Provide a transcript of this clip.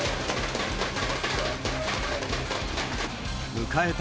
迎えた